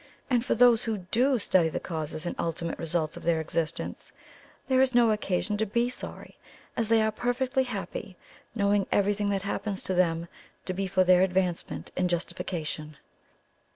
And for those who DO study the causes and ultimate results of their existence, there is no occasion to be sorry, as they are perfectly happy, knowing everything that happens to them to be for their advancement and justification."